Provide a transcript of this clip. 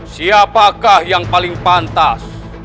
siapakah yang paling pantas